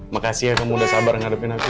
makasih ya kamu udah sabar ngadepin aku